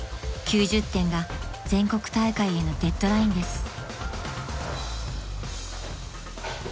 ［９０点が全国大会へのデッドラインです］